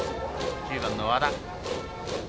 ９番の和田。